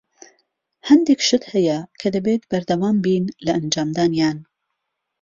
هەندێک شت هەیە کە دەبێت بەردەوام بین لە ئەنجامدانیان.